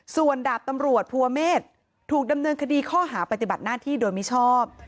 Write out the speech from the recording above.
ส่วนดาบตำรวจภูเมฆถูกดำเนินคดีข้อหาปฏิบัติหน้าที่โดยมิชอบ